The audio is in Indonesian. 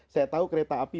saya tahu kereta api